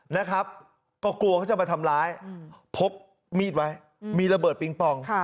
นะครับก็กลัวเขาจะมาทำร้ายพกมีดไว้มีระเบิดปิงปอง